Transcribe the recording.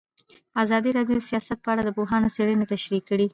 ازادي راډیو د سیاست په اړه د پوهانو څېړنې تشریح کړې.